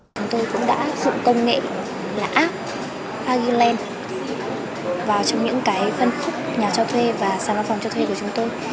chúng tôi cũng đã dụng công nghệ là app agilent vào trong những cái phân khúc nhà cho thuê và sản phẩm cho thuê của chúng tôi